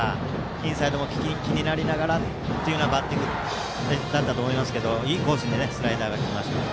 インサイドも気になりながらのバッティングになったと思いますけどもいいコースにスライダー来ました。